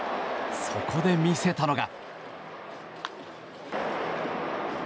そこで見せたのが。